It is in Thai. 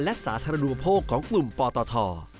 และสาธารณูปโภคของกลุ่มปตท